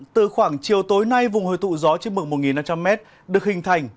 từ khoảng chiều tối nay vùng hồi tụ gió trên mực một năm trăm linh m được hình thành